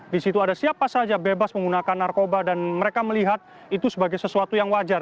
di situ ada siapa saja bebas menggunakan narkoba dan mereka melihat itu sebagai sesuatu yang wajar